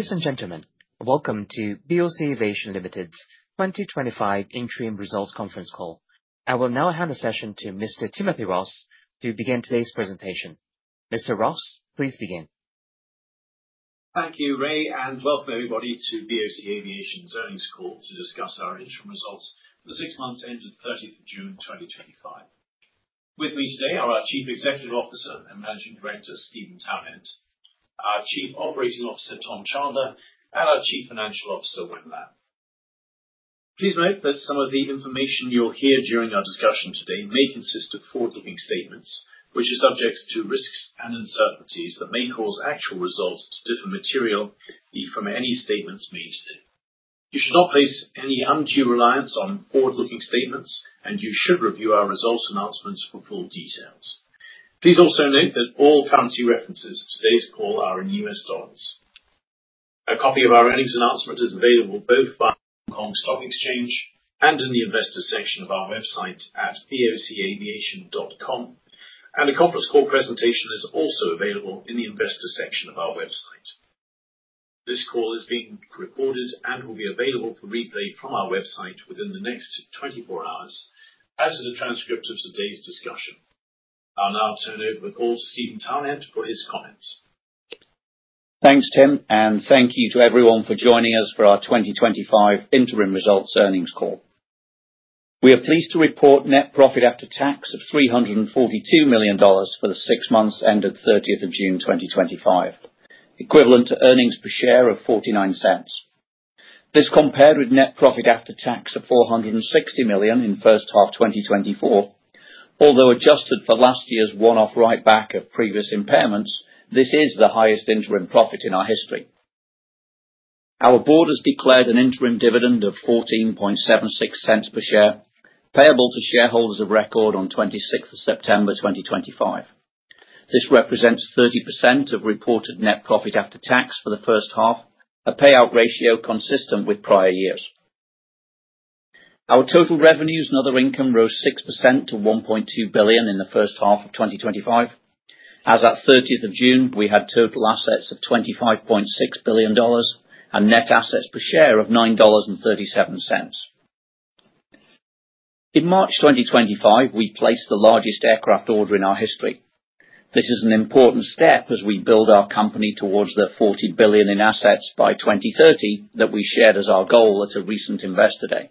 Ladies and Gentlemen, welcome to BOC Aviation Limited's 2025 Interim Results Conference call. I will now hand the session to Mr. Timothy Ross to begin today's presentation. Mr. Ross, please begin. Thank you, Ray, and welcome everybody. BOC Aviation call to discuss our interim results for six months ended 30 June 2025. With me today are our Chief Executive Officer and Managing Director Steven Townend, our Chief Operating Officer Thomas Chandler, and our Chief Financial Officer Wen Lan. Please note that some of the information. You'll hear during our discussion today may consist of forward-looking statements which are subject to risks and uncertainties that may cause actual results to differ materially from any statements made. You should not place any undue reliance on forward-looking statements and you should review our results announcements for full details. Please also note that all currency references to today's call are in U.S. Dollars. A copy of our earnings announcement is available both by Hong Kong Stock Exchange and in the Investors section of our website at bocaviation.com and a conference call presentation is also available in the Investors section of our website. This call is being recorded and will be available for replay from our website within the next 24 hours as is the transcript of today's discussion. I'll now turn the call over to Steven Townend for his comments. Thanks Tim, and thank you to everyone for joining us for our 2025 interim results earnings call. We are pleased to report net profit after tax of $342 million for the six months ended 30th June 2025, equivalent to earnings per share of $0.49. This compared with net profit after tax of $460 million in first half 2024. Although adjusted for last year's one-off write back of previous impairments, this is the highest interim profit in our history. Our Board has declared an interim dividend of $0.1476 per share payable to shareholders of record on 26 September 2025. This represents 30% of reported net profit after tax for the first half and a payout ratio consistent with prior years. Our total revenues and other income rose 6% to $1.2 billion in the first half of 2025. As at 30 June, we had total assets of $25.6 billion and net assets per share of $9.37. In March 2025, we placed the largest aircraft order in our history. This is an important step as we build our company towards the $40 billion in assets by 2030 that we shared as our goal at a recent investor day.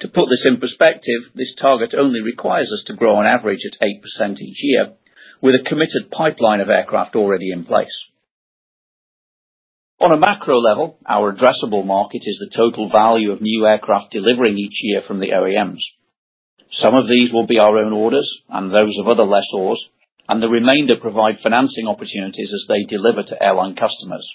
To put this in perspective, this target only requires us to grow on average at 8% each year with a committed pipeline of aircraft already in place. On a macro level, our addressable market is the total value of new aircraft delivering each year from the OEMs. Some of these will be our own orders and those of other lessors, and the remainder provide financing opportunities as they deliver to airline customers.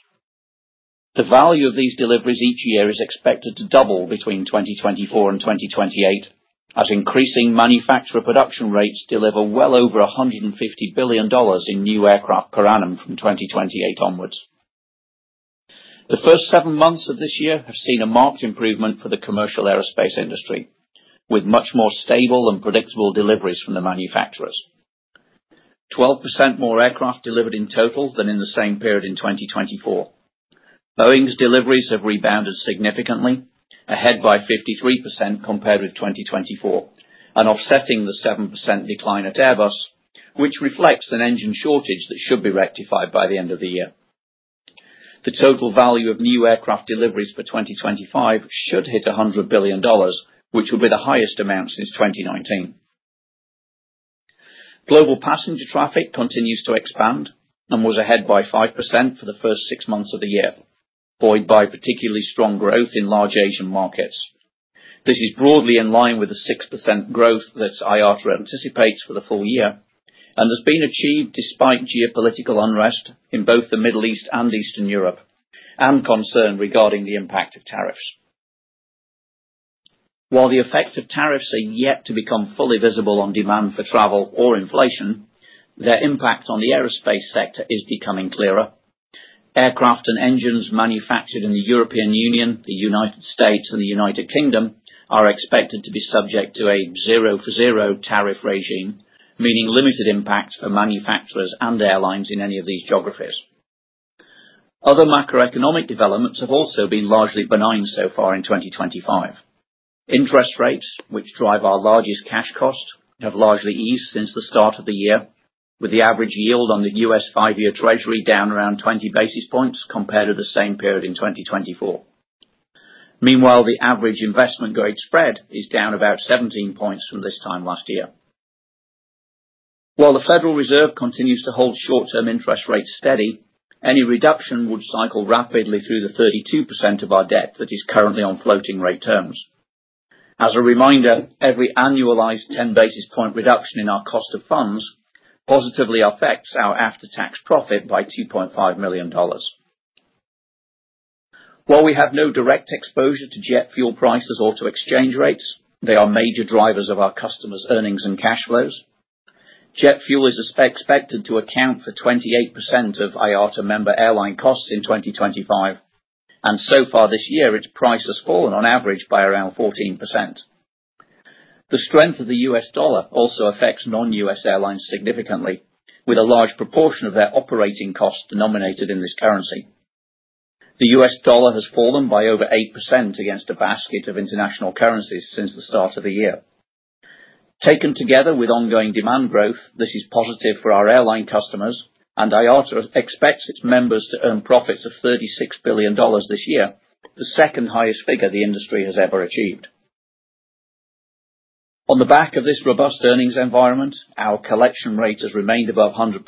The value of these deliveries each year is expected to double between 2024 and 2028 as increasing manufacturer production rates deliver well over $150 billion in new aircraft per annum from 2028 onwards. The first seven months of this year have seen a marked improvement for the commercial aerospace industry, with much more stable and predictable deliveries from the manufacturers, 12% more aircraft delivered in total than in the same period in 2024. Boeing's deliveries have rebounded significantly, ahead by 53% compared with 2024 and offsetting the 7% decline at Airbus, which reflects an engine shortage that should be rectified by the end of the year. The total value of new aircraft deliveries for 2025 should hit $100 billion, which will be the highest amount since 2019. Global passenger traffic continues to expand and was ahead by 5% for the first six months of the year, buoyed by particularly strong growth in large Asian markets. This is broadly in line with the 6% growth that IATA anticipates for the full year and has been achieved despite geopolitical unrest in both the Middle East and Eastern Europe and concern regarding the impact of tariffs. While the effects of tariffs are yet to become fully visible on demand for travel or inflation, their impact on the aerospace sector is becoming clearer. Aircraft and engines manufactured in the European Union, the United States, and the United Kingdom are expected to be subject to a zero for zero tariff regime, meaning limited impacts for manufacturers and airlines in any of these geographies. Other macroeconomic developments have also been largely benign so far in 2025. Interest rates, which drive our largest cash cost, have largely eased since the start of the year, with the average yield on the U.S. five-year Treasury down around 20 basis points compared to the same period in 2024. Meanwhile, the average investment grade spread is down about 17 points from this time last year, while the Federal Reserve continues to hold short-term interest rates steady. Any reduction would cycle rapidly through the 32% of our debt that is currently on floating rate terms. As a reminder, every annualized 10 basis point reduction in our cost of funds positively affects our after-tax profit by $2.5 million. While we have no direct exposure to jet fuel prices or to exchange rates, they are major drivers of our customers' earnings and cash flows. Jet fuel is expected to account for 28% of IATA member airline costs in 2025 and so far this year its price has fallen on average by around 14%. The strength of the U.S. dollar also affects non-U.S. airlines significantly with a large proportion of their operating costs denominated in this currency. The U.S. dollar has fallen by over 8% against a basket of international currencies since the start of the year. Taken together with ongoing demand growth, this is positive for our airline customers and IATA expects its members to earn profits of $36 billion this year, the second highest figure the industry has ever achieved. On the back of this robust earnings environment, our collection rate has remained above 100%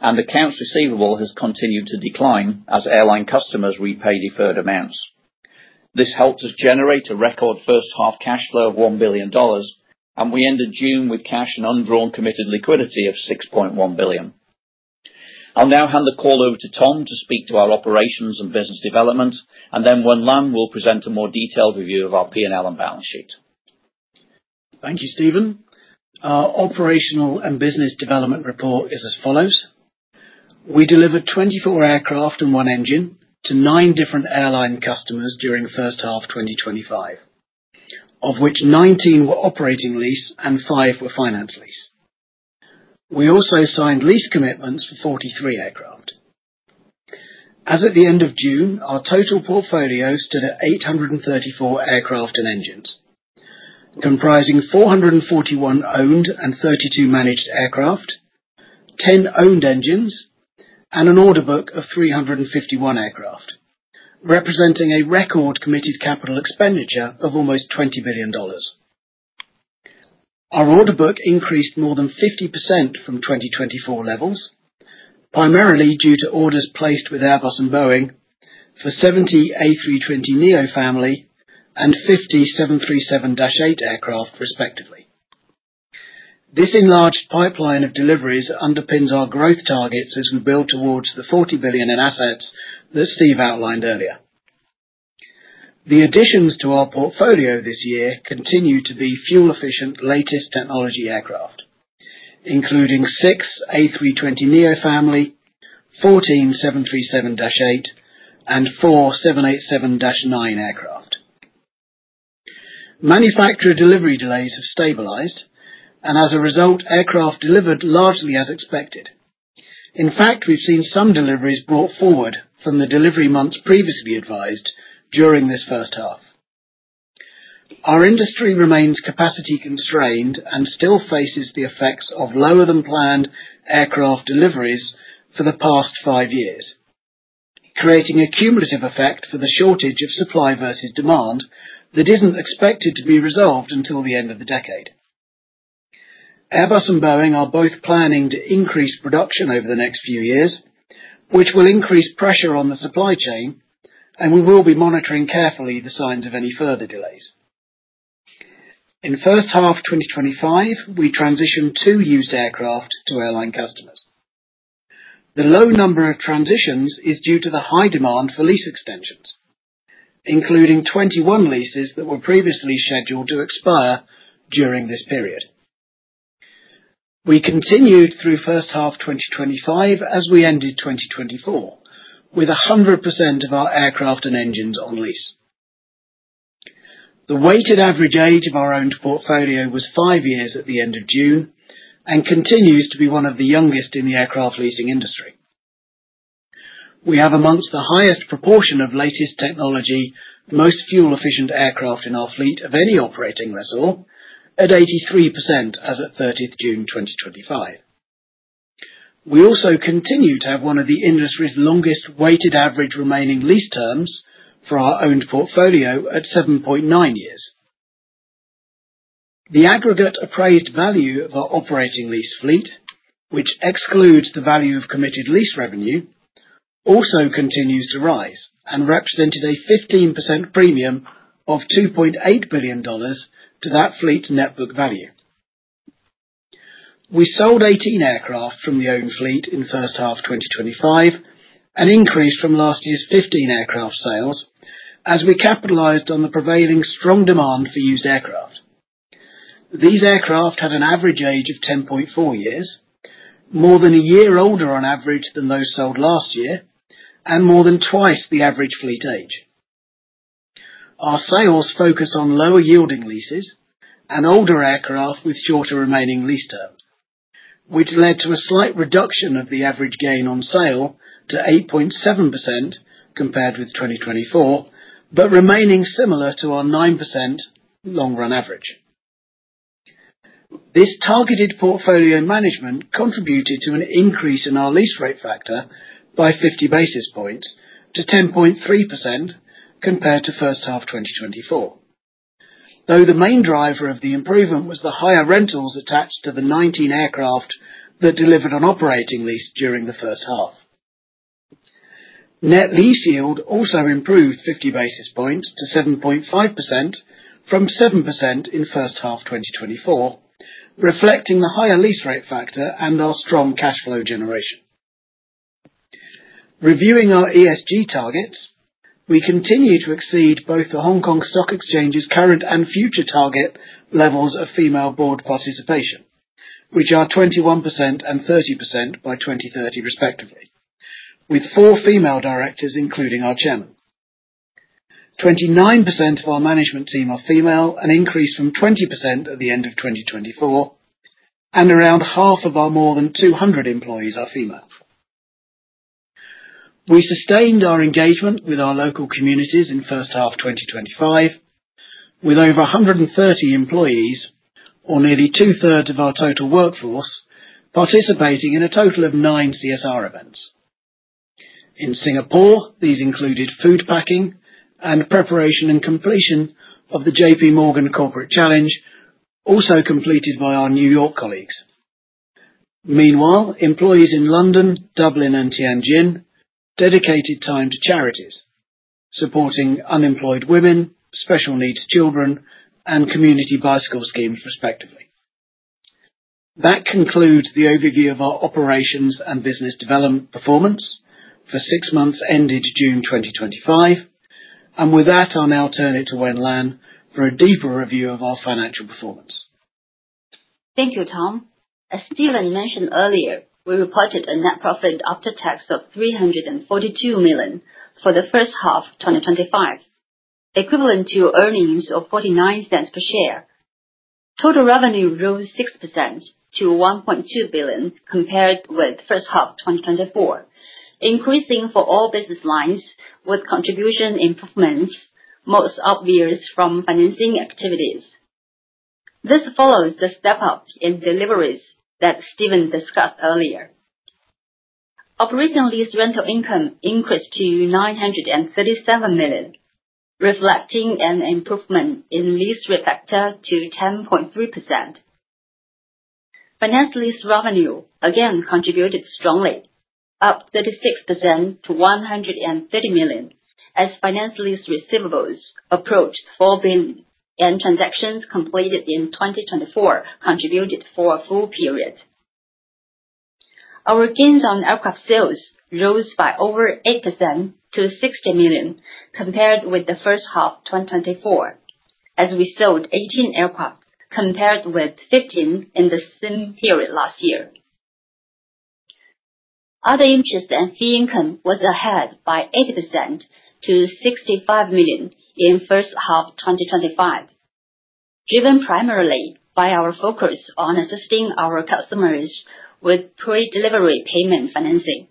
and accounts receivable has continued to decline as airline customers repay deferred amounts. This helped us generate a record first half cash flow of $1 billion and we ended June with cash and undrawn committed liquidity of $6.1 billion. I'll now hand the call over to Tom to speak to our operations and business development, and then Wen Lan will present a more detailed review of our P&L and balance sheet. Thank you, Steven. Our operational and business development report is as follows. We delivered 24 aircraft and one engine to nine different airline customers during first half 2025, of which 19 were operating lease and five were finance lease. We also signed lease commitments for 43 aircraft. As at the end of June, our total portfolio stood at 834 aircraft and engines, comprising 441 owned and 32 managed aircraft, 10 owned engines, and an order book of 351 aircraft, representing a record committed capital expenditure of almost $20 billion. Our order book increased more than 50% from 2024 levels, primarily due to orders placed with Airbus and Boeing for 70 Airbus A320neo family and 50 Boeing 737-8 aircraft, respectively. This enlarged pipeline of deliveries underpins our growth targets as we build towards the $40 billion in assets that Steven outlined earlier. The additions to our portfolio this year continue to be fuel-efficient, latest technology aircraft, including 6 A320neo family, 14 Boeing 737-8, and 4 Boeing 787-9. Aircraft manufacturer delivery delays have stabilized, and as a result, aircraft delivered largely as expected. In fact, we've seen some deliveries brought forward from the delivery months previously advised during this first half. Our industry remains capacity constrained and still faces the effects of lower than planned aircraft deliveries for the past five years, creating a cumulative effect for the shortage of supply versus demand that isn't expected to be resolved until the end of the decade. Airbus and Boeing are both planning to increase production over the next few years, which will increase pressure on the supply chain, and we will be monitoring carefully the signs of any further delays. In first half 2025, we transitioned two used aircraft to airline customers. The low number of transitions is due to the high demand for lease extensions, including 21 leases that were previously scheduled to expire during this period. We continued through first half 2025 as we ended 2024 with 100% of our aircraft and engines on lease. The weighted average age of our owned portfolio was five years at the end of June and continues to be one of the youngest in the aircraft leasing industry. We have amongst the highest proportion of latest technology, most fuel-efficient aircraft in our fleet of any operating lessor at 83% as at 30th June 2025. We also continue to have one of the industry's longest weighted average remaining lease terms for our owned portfolio at 7.9 years. The aggregate appraised value of our operating lease fleet, which excludes the value of committed lease revenue, also continues to rise and represented a 15% premium of $2.8 billion to that fleet net book value. We sold 18 aircraft from the own fleet in first half 2025, an increase from last year's 15 aircraft sales as we capitalized on the prevailing strong demand for used aircraft. These aircraft had an average age of 10.4 years, more than a year older on average than those sold last year and more than twice the average fleet age. Our sales focus on lower yielding leases and older aircraft with shorter remaining lease term, which led to a slight reduction of the average gain on sale to 8.7% compared with 2024 but remaining similar to our 9% long run average. This targeted portfolio management contributed to an increase in our lease rate factor by 50 basis points to 10.3% compared to first half 2024, though the main driver of the improvement was the higher rentals attached to the 19 aircraft that delivered on operating lease during the first half. Net lease yield also improved 50 basis points to 7.5% from 7% in first half 2024, reflecting the higher lease rate factor and our strong cash flow generation. Reviewing our ESG targets, we continue to exceed both the Hong Kong Stock Exchange's current and future target with levels of female board participation which are 21% and 30% by 2030 respectively, with four female directors including our Chairman. 29% of our management team are female, an increase from 20% at the end of 2024, and around half of our more than 200 employees are females. We sustained our engagement with our local communities in first half 2025 with over 130 employees, or nearly two thirds of our total workforce, participating in a total of nine CSR events in Singapore. These included food packing and preparation and completion of the JPMorgan Corporate Chase, also completed by our New York colleagues. Meanwhile, employees in London, Dublin, and Tianjin dedicated time to charities supporting unemployed women, special needs children, and community bicycle schemes, respectively. That concludes the overview of our operations and business development performance for six months ended June 2025, and with that, I'll now turn it to Wen Lan for a deeper review of our financial performance. Thank you, Tom. As Dylan mentioned earlier, we reported a net profit after tax of $342 million for the first half 2025, equivalent to earnings of $0.49 per share. Total revenue rose 6% to $1.2 billion compared with first half 2024, increasing for all business lines with contribution improvements most obvious from financing activities. This follows the step up in deliveries that Steven discussed earlier. Operating lease rental income increased to $937 million, reflecting an improvement in lease refactor to 10.3%. Finance lease revenue again contributed strongly, up 36% to $130 million as finance lease receivables approach $4 billion and transactions completed in 2024 contributed for a full period. Our gains on aircraft sales rose by over 8% to $60 million compared with the first half 2024 as we sold 18 aircraft compared with 15 in the same period last year. Other interest and fee income was ahead by 80% to $65 million in first half 2025, driven primarily by our focus on assisting our customers with pre-delivery payment financing.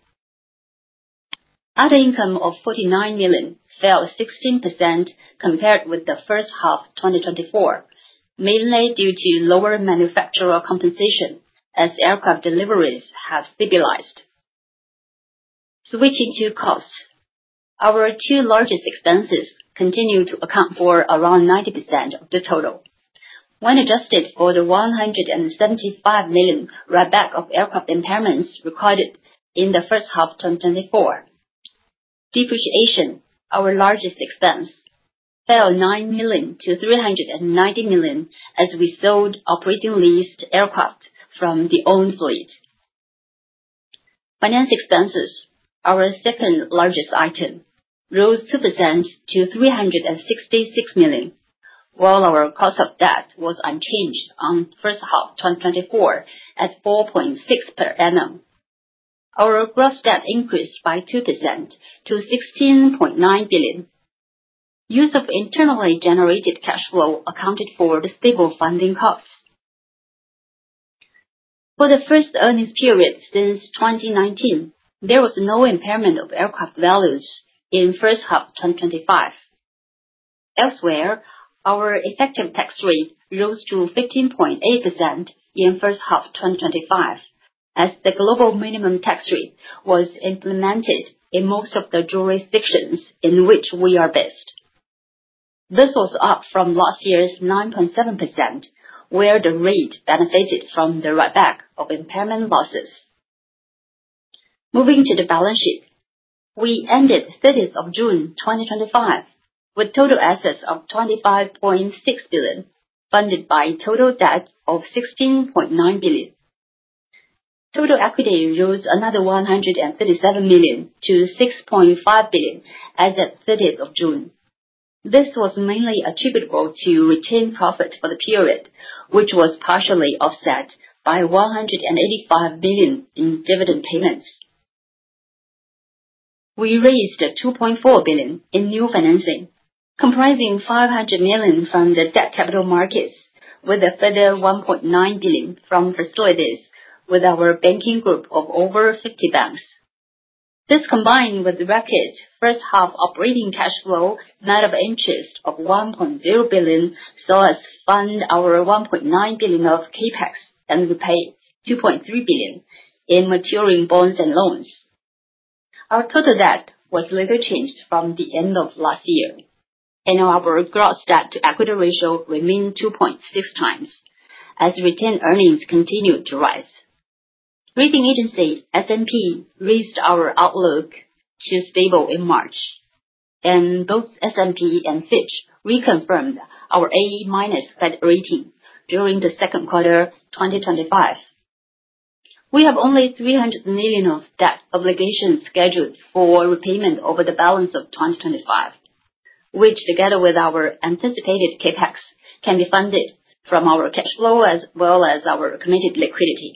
Other income of $49 million fell 16% compared with the first half 2024, mainly due to lower manufacturer compensation as aircraft deliveries have stabilized. Switching to costs, our two largest expenses continue to account for around 90% of the total when adjusted for the $175 million writeback of aircraft impairments recorded in the first half 2024. Depreciation, our largest expense, fell $9 million - $390 million as we sold operating leased aircraft from the owned fleet. Finance expenses, our second largest item, rose 2% to $366 million, while our cost of debt was unchanged on first half 2024 at 4.6% per annum. Our gross debt increased by 2% to $16.9 billion. Use of internally generated cash flow accounted for the stable funding costs. For the. First earnings period since 2019. There was no impairment of aircraft values in first half 2025. Elsewhere, our effective tax rate rose to 15.8% in first half 2025 as the global minimum tax rate was implemented in most of the jurisdictions in which we are based. This was up from last year's 9.7% where the REIT benefited from the writeback of impairment losses. Moving to the balance sheet, we ended 30th of June 2025 with total assets of $25.6 billion funded by total debt of $16.9 billion. Total equity rose another $137 million - $6.5 billion as at 30th of June. This was mainly attributable to retained profit for the period, which was partially offset by $185 million in dividend payments. We raised $2.4 billion in new financing comprising $500 million from the debt capital markets with a further $1.9 billion from facilities with our banking group of over 50 banks. This, combined with the record first half operating cash flow net of interest of $1.0 billion, saw us fund our $1.9 billion of CapEx and repaid $2.3 billion in maturing bonds and loans. Our total debt was little changed from the end of last year and our gross debt-to-equity ratio remained 2.6x as retained earnings continued to rise. Rating agency S&P raised our outlook to stable in March and both S&P and Fitch reconfirmed our A debt rating during the second quarter 2025. We have only $300 million of debt obligations scheduled for repayment over the balance of 2025 which together with our anticipated CapEx can be funded from our cash flow as well as our committed liquidity.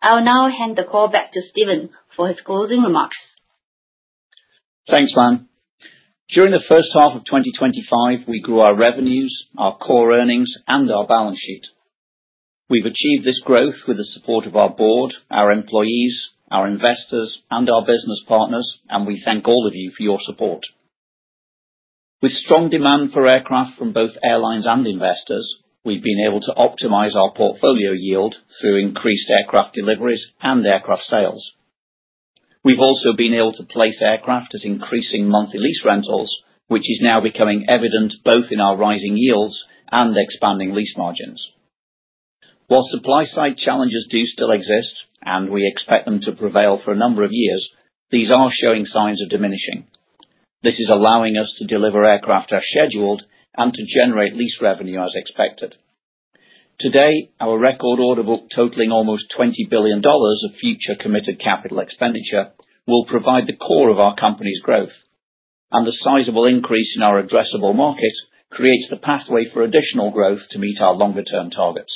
I'll now hand the call back to Steven for his closing remarks. Thanks Wen. During the first half of 2025, we grew our revenues, our core earnings, and our balance sheet. We've achieved this growth with the support of our Board, our employees, our investors, and our business partners, and we thank all of you for your support. With strong demand for aircraft from both airlines and investors, we've been able to optimize our portfolio yield through increased aircraft deliveries and aircraft sales. We've also been able to place aircraft at increasing monthly lease rentals, which is now becoming evident both in our rising yields and expanding lease margins. While supply side challenges do still exist and we expect them to prevail for a number of years, these are showing signs of diminishing. This is allowing us to deliver aircraft as scheduled and to generate lease revenue as expected. Today, our record order book totaling almost $20 billion of future committed capital expenditure will provide the core of our company's growth. The sizable increase in our addressable market creates the pathway for additional growth to meet our longer term targets.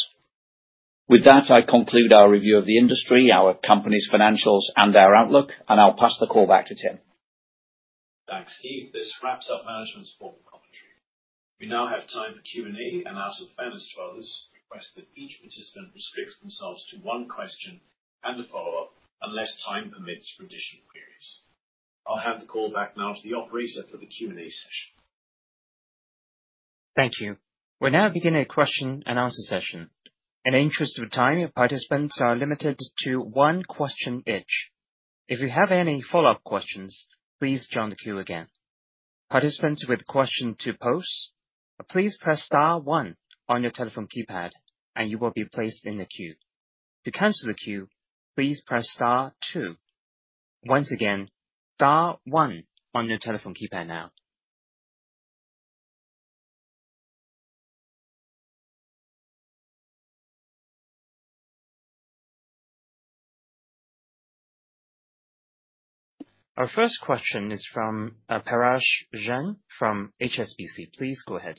With that, I conclude our review of the industry, our company's financials, and our outlook, and I'll pass the call back to Tim. Thanks, Steve. This wraps up management for the commentary. We now have time for Q and A, and as a defense to others, request that each participant restricts themselves to one question and a follow-up unless time permits traditional periods. I'll hand the call back now to the operator for the Q and A session. Thank you. We're now beginning a question and answer session. In the interest of time, participants are limited to one question each. If you have any follow up questions, please join the queue. Again, participants with questions to pose, please press star 1 on your telephone keypad and you will be placed in the queue. To cancel the queue, please press star 2. Once again, star 1 on your telephone keypad. Now. Our first question is from Parash Jain from HSBC. Please go ahead.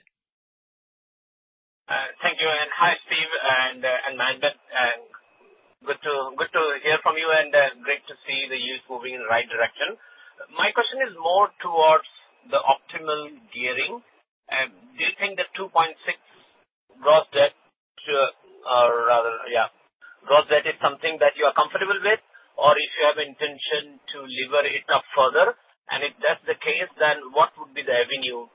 Thank you. Hi Steven and Wen Lan, good to. Hear from you and great to see the U.S. moving in the right direction. My question is more towards the optimal gearing. Do you think that 2.6 brought that? Yeah, Ross, is that something that you are comfortable with or if you have intention to deliver it up further? If that's the case, then what would be the avenue?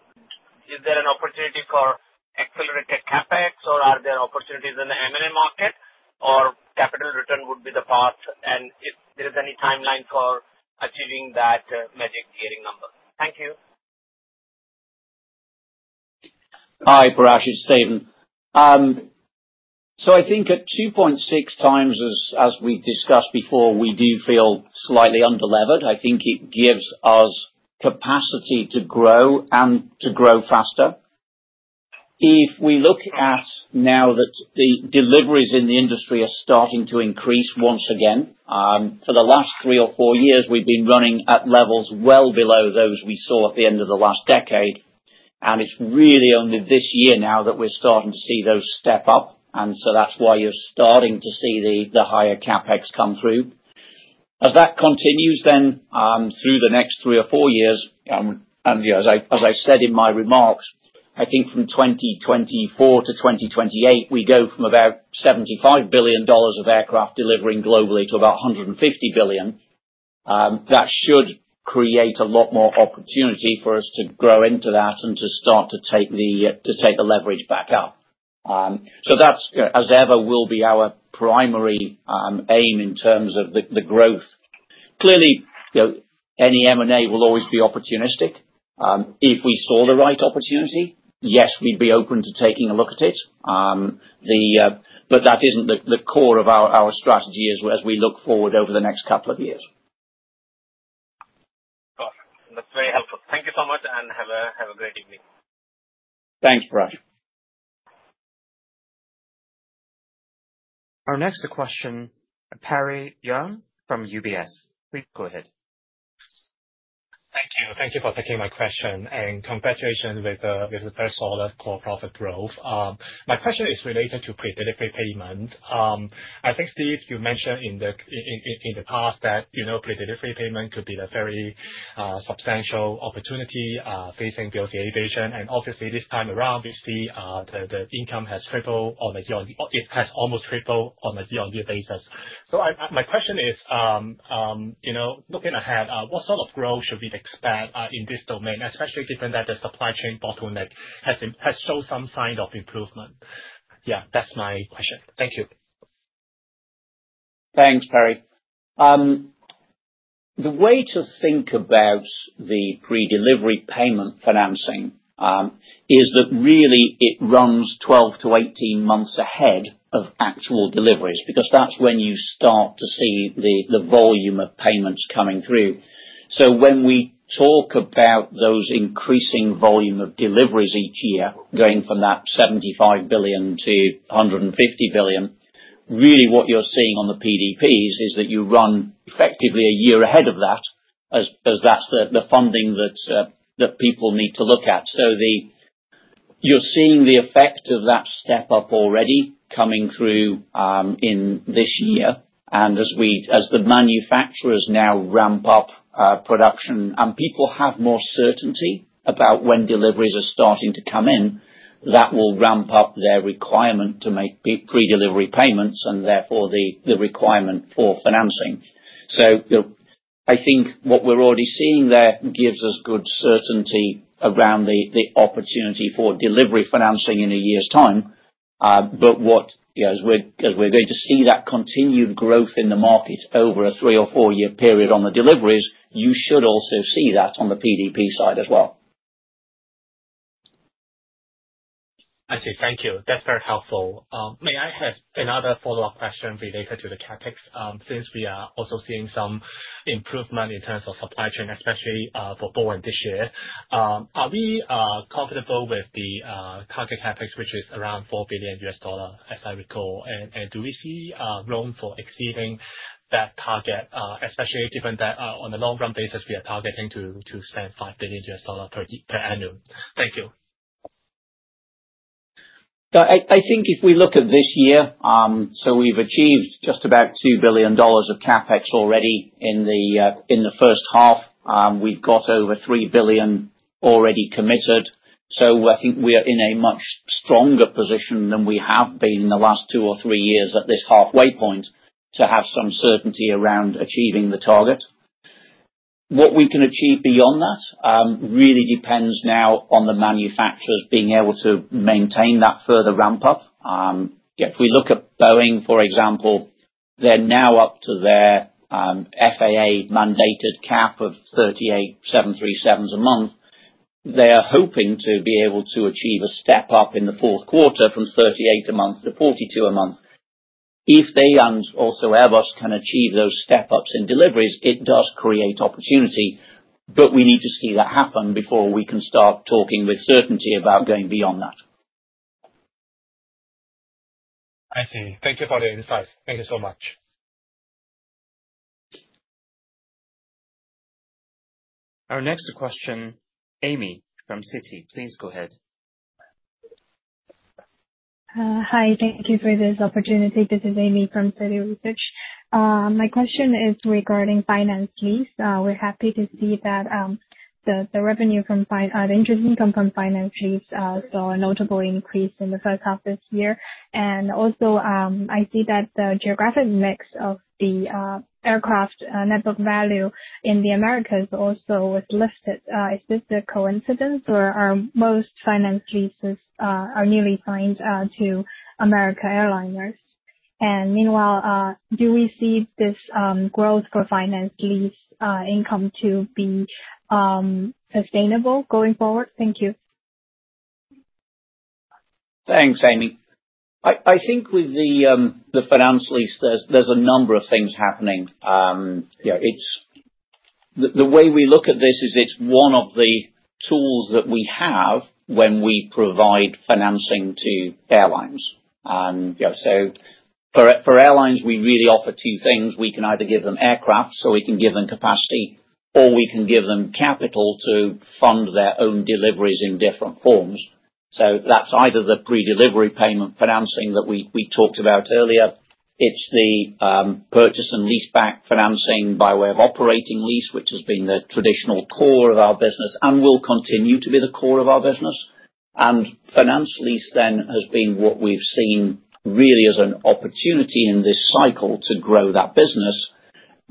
Is there an opportunity for accelerated CapEx? Are there opportunities in the NRA market or capital return would be the path, and if there is any timeline? For achieving that magic saving number. Thank you. Hi Brash, it's Steven. I think that 2.6x, as we discussed before, we do feel slightly underlevered. I think it gives us capacity to grow and to grow faster. If we look at now that the deliveries in the industry are starting to increase once again, the last three or four years we've been running at levels well below those we saw at the end of the last decade. It's really only this year now that we're starting to see those step up. That's why you're starting to see the higher CapEx come through as that continues through the next three or four years. As I said in my remarks, I think from 2024 - 2028 we go from about $75 billion of aircraft delivering globally to about $150 billion. That should create a lot more opportunity for us to grow into that and to start to take the leverage back up. That, as ever, will be our primary aim in terms of the growth. Clearly any M&A will always be opportunistic. If we saw the right opportunity, yes, we'd be open to taking a look at it. That isn't the core of our strategy as we look forward over the next couple of years. That's very helpful. Thank you so much, and have a great evening. Thanks. Brush. Our next question. Perry Yeung from UBS, please go ahead. Thank you. Thank you for taking my question and congratulations with the first solid core profit growth. My question is related to pre-delivery payment. I think Steven, you mentioned in the past that pre-delivery payment could be a very substantial opportunity facing BOC Aviation. Obviously, this time around we see the income has tripled or maybe it has almost tripled on a year-on-year basis. My question is looking ahead, what sort of growth should we expect in this domain? Especially given that the supply chain bottleneck has shown some sign of improvement. That's my question. Thank you. Thanks, Perry. The way to think about the pre-delivery payment financing is that really it runs 12 to 18 months ahead of actual deliveries because that's when you start to see the volume of payments coming through. When we talk about those increasing volume of deliveries each year going from that $75 billion - $150 billion, really what you're seeing on the pre-delivery payments is that you run effectively a year ahead of that as that's the funding that people need to look at. You're seeing the effect of that step up already coming through in this year. As the manufacturers now ramp up production and people have more certainty about when deliveries are starting to come in, that will ramp up their requirement to make pre-delivery payments and therefore the requirement for financing. I think what we're already seeing there gives us good certainty around the opportunity for delivery financing in a year's time. As we're going to see that continued growth in the market over a three or four year period on the deliveries, you should also see that on the pre-delivery payment side as well. I see. Thank you, that's very helpful. May I have another follow up question related to the CapEx? Since we are also seeing some improvement in terms of supply chain, especially for Boeing this year, are we comfortable with the current CapEx which is around $4 billion as I recall, and do we see room for exceeding that target, especially given that on a long run basis we are targeting to spend $5 billion per annum. Thank you. I think if we look at this year, we've achieved just about $2 billion of CapEx already in the first half. We've got over $3 billion already committed. I think we are in a much stronger position than we have been the last two or three years at this halfway point. To have some certainty around achieving the target that we can achieve beyond that really depends now on the manufacturers being able to maintain that further ramp up. If we look at Boeing, for example, they're now up to their FAA-mandated cap of 38 737s a month. They're hoping to be able to achieve a step up in the fourth quarter from 38 a month to 42 a month. If they and also Airbus can achieve those step ups in deliveries, it does create opportunity, but we need to see that happen before we can start talking with certainty about going beyond that. I see. Thank you for the insight. Thank you so much. Our next question. Amy from Citi, please go ahead. Hi. Thank you for this opportunity. This is Amy Citi Research. My question is regarding finance lease. We're happy to see that the revenue from the interest income from finance lease saw a notable increase in the first half this year. I also see that the geographic mix of the aircraft network value in the Americas also was listed. Is this a coincidence, or are most financially sustained or nearly signed to America airliners? Meanwhile, do we see this growth for finance lease income to be sustainable going forward? Thank you. Thanks, Amy. I think with the finance lease there's a number of things happening. The way we look at this is it's one of the tools that we have when we provide financing to airlines. For airlines we really offer two things. We can either give them aircraft so we can give them capacity, or we can give them capital to fund their own deliveries in different forms. That's either the pre-delivery payment financing that we talked about earlier, it's the purchase and leaseback financing by way of operating lease, which has been the traditional core of our business and will continue to be the core of our business. Finance lease then has been what we've seen really as an opportunity in this cycle to grow that business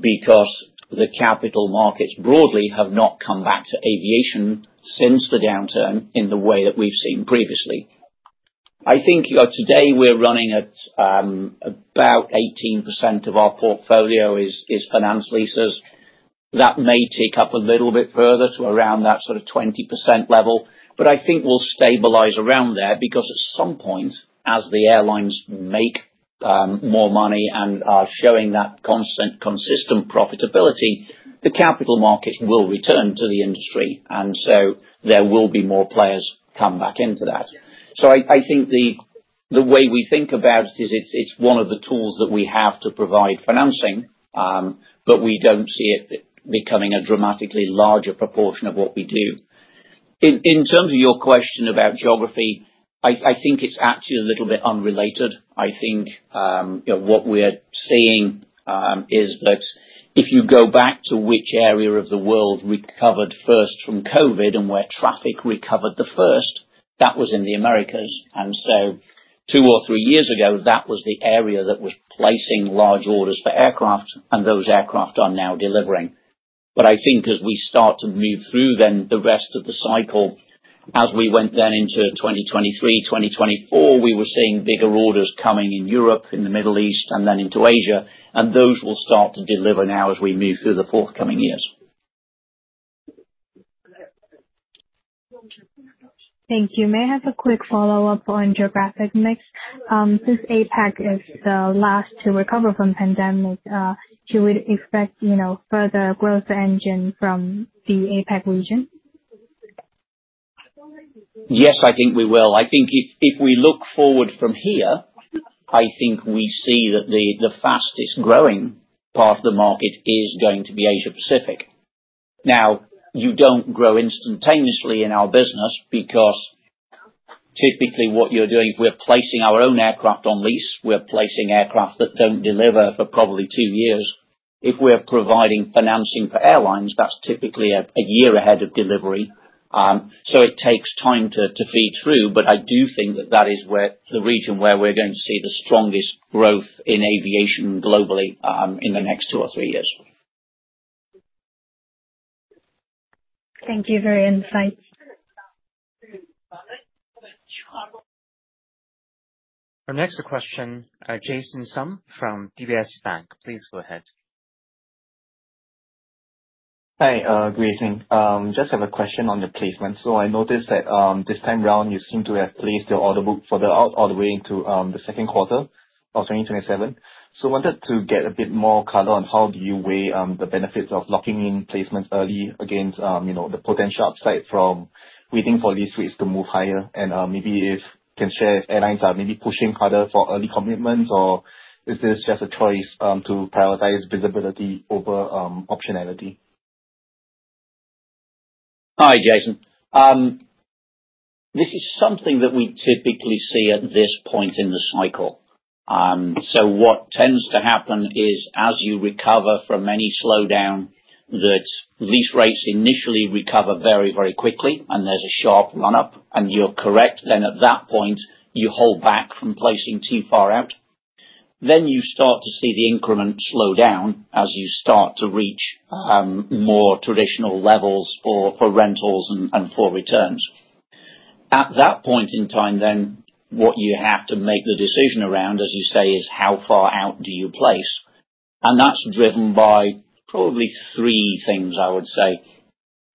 because the capital markets broadly have not come back to aviation since the downturn in the way that we've seen previously. I think today we're running at about 18% of our portfolio is finance leases that may take up a little bit further to around that sort of 20% level. I think we'll stabilize around there because at some point as the airlines make more money and are showing that constant consistent profitability, the capital market will return to the industry and there will be more players come back into that. The way we think about it is it's one of the tools that we have to provide financing, but we don't see it becoming a dramatically larger proportion of what we do. In terms of your question about geography, I think it's actually a little bit unrelated. What we're seeing is that if you go back to which area of the world recovered first from COVID and where traffic recovered first, that was in the Americas. Two or three years ago that was the area that was placing large orders for aircraft and those aircraft are now delivering. As we start to move through the rest of the cycle as we went down into 2023, 2024, we were seeing bigger orders coming in Europe, in the Middle East and then into Asia. Those will start to deliver now as we move through the forthcoming years. Thank you. May I have a quick follow up on job at next? Since APEC is the last to recover from pandemic, should we expect further growth engine from the APEC region? Yes, I think we will. I think if we look forward from here, I think we see that the fastest growing part of the market is going to be Asia Pacific. You don't grow instantaneously in our business because typically what you're doing, we're placing our own aircraft on lease, we're placing aircraft that don't deliver for probably two years. If we're providing financing for airlines, that's typically a year ahead of delivery. It takes time to feed through. I do think that is the region where we're going to see the strongest growth in aviation globally in the next two or three years. Thank you for your insight. Our next question, Jason Sum from DBS Bank, please go ahead. Hi, greeting. Just have a question on your placement. I noticed that this time around you seem to have placed your order book further out all the way into the second quarter of 2027. I wanted to get a bit more color on how do you weigh the benefits of locking in placement early against, you know, the potential upside from waiting for these rates to move higher, and maybe if you can share if airlines are maybe pushing harder for early commitments. Is this just a choice to prioritize visibility over optionality? Hi Jason, this is something that we typically see at this point in the cycle. What tends to happen is as you recover from any slowdown, lease rates initially recover very, very quickly and there's a sharp run up. You're correct, at that point you hold back from placing too far out. You start to see the increment slow down as you start to reach more traditional levels for rentals and for returns. At that point in time, what you have to make the decision around, as you say, is how far out do you place? That's driven by probably three things, I would say.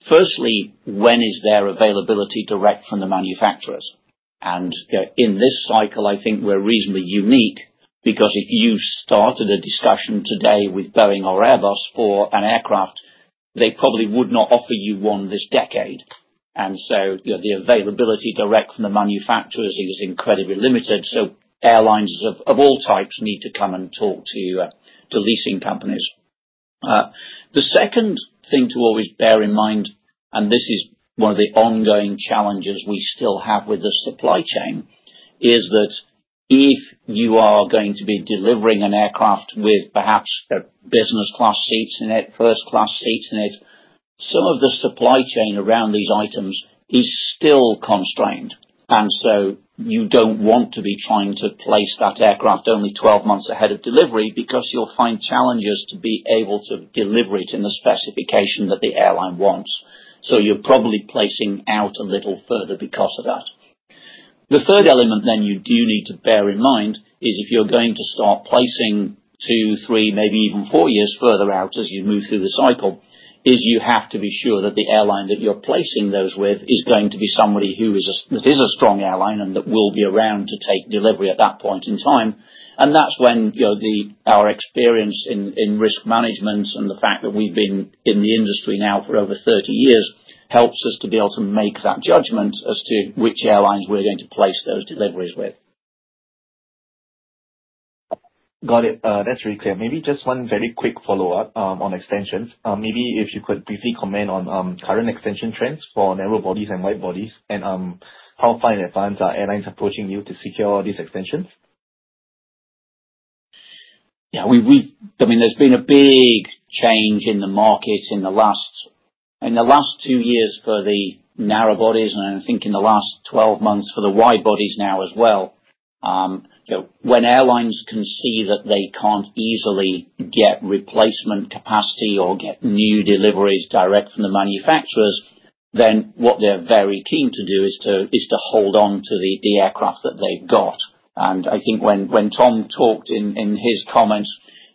Firstly, when is there availability direct from the manufacturers? In this cycle I think we're reasonably unique because if you started a discussion today with Boeing or Airbus for an aircraft, they probably would not offer you one this decade. The availability direct from the manufacturers is incredibly limited. Airlines of all types need to come and talk to the leasing companies. The second thing to always bear in mind, and this is one of the ongoing challenges we still have with the supply chain, is that if you are going to be delivering an aircraft with perhaps business class seats in it, first class seats in it, some of the supply chain around these items is still constrained. You don't want to be trying to place that aircraft only 12 months ahead of delivery because you'll find challenges to be able to deliver it in the specification that the airline wants. You're probably placing out a little further because of that. The third element you do need to bear in mind is if you're going to start placing two, three, maybe even four years further out as you move through the cycle, you have to be sure that the airline that you're placing those with is going to be somebody who is a strong airline and that will be around to take delivery at that point in time. Our experience in risk management and the fact that we've been in the industry now for over 30 years helps us to be able to make that judgment as to which airlines we're going to place those deliveries with. Got it. That's really clear. Maybe just one very quick follow-up on extensions. Maybe if you could briefly comment on current extension trends for narrow bodies and widebodies, and how far in advance are airlines approaching you to secure these extensions? Yeah, there's been a big change in the market in the last two years for the narrow bodies and I think in the last 12 months for the wide bodies now as well. When airlines can see that they can't easily get replacement capacity or get new deliveries direct from the manufacturers, what they're very keen to do is to hold on to the aircraft that they've got. I think when Tom talked in his comments,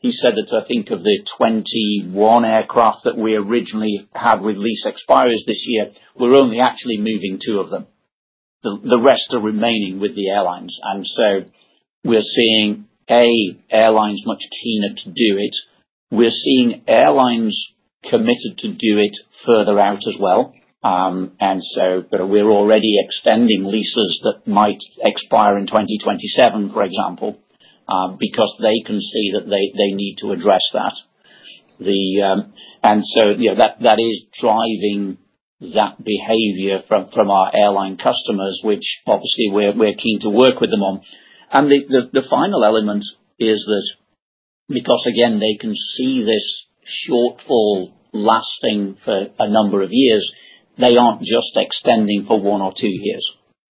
he said that of the 21 aircraft that we originally have with lease expiry this year, we're only actually moving two of them. The rest are remaining with the airlines. We're seeing airlines much keener to do it. We're seeing airlines committed to do it further out as well. We're already extending leases that might expire in 2027, for example, because they can see that they need to address that. That is driving that behavior from our airline customers, which obviously we're keen to work with them on. The final element is that because they can see this shortfall lasting for a number of years, they aren't just extending for one or two years,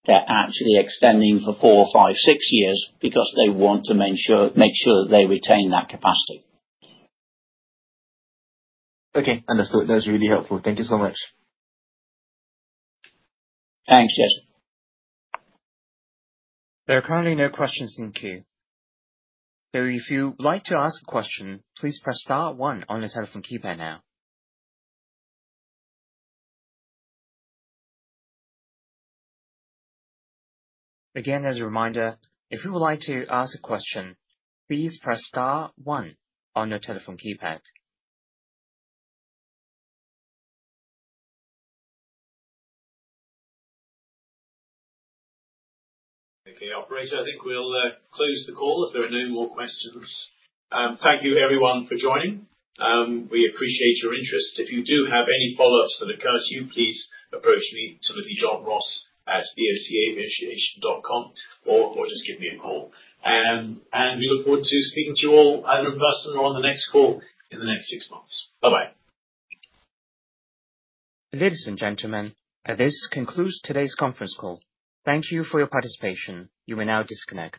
they're actually extending for four, five, six years because they want to make sure they retain that capacity. Okay, understood. That's really helpful. Thank you so much. Thanks, Jesse. There are currently no questions in the queue. If you would like to ask a question, please press star one on the telephone keypad now. Again, as a reminder, if you would like to ask a question, please press star one on your telephone keypad. Okay, operator, I think we'll close the call if there are no more questions. Thank you everyone for joining. We appreciate your interest. If you do have any follow ups for the cursium, please approach me TimothyJohnRossCaoInitiation.com or just give me a call. We look forward to speaking to you all on the next call in the next six months. Bye bye. Ladies and gentlemen, this concludes today's conference call. Thank you for your participation. You may now disconnect.